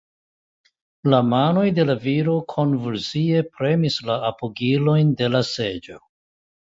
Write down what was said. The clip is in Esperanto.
La manoj de la viro konvulsie premis la apogilojn de la seĝo.